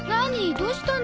どうしたの？